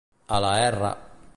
A la R